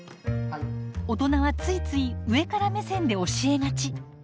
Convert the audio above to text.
大人はついつい上から目線で教えがち。